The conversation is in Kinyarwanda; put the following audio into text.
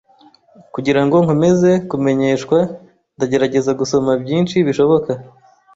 Kugirango nkomeze kumenyeshwa, ndagerageza gusoma byinshi bishoboka.